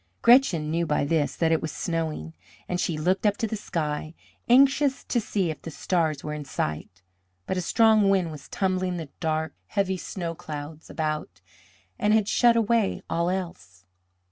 Gretchen knew by this that it was snowing, and she looked up to the sky, anxious to see if the stars were in sight, but a strong wind was tumbling the dark, heavy snow clouds about and had shut away all else.